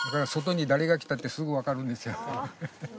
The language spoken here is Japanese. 外に誰が来たってすぐわかるんですよ。